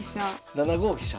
７五飛車。